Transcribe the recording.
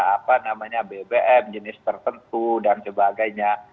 apa namanya bbm jenis tertentu dan sebagainya